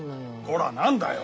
こら何だよ。